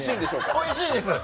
おいしいです。